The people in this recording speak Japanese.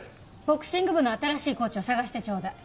ボクシング部の新しいコーチを探してちょうだい。